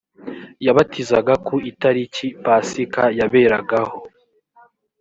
yabatizaga ku italiki pasika yaberagaho